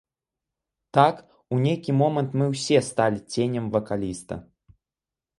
Так, у нейкі момант мы ўсе сталі ценем вакаліста.